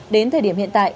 đến thời điểm hiện tại